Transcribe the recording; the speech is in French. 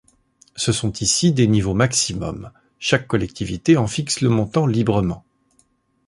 Ce sont ici des niveaux maximum, chaque collectivité en fixe le montant librement.